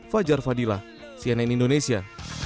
fajar fadilah cnn indonesia